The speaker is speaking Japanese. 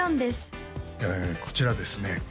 こちらですね